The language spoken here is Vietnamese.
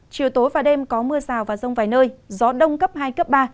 chiều tối và đêm có mưa rào và rông vài nơi gió đông cấp hai cấp ba